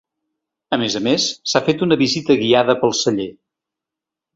A més a més s’ha fet una visita guiada pel celler.